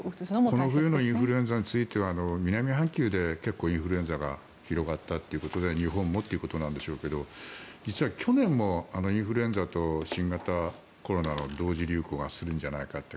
この冬のインフルエンザについては南半球で結構インフルエンザが広がったということで日本もということなんでしょうけど実は去年もインフルエンザと新型コロナの同時流行がするんじゃないかと。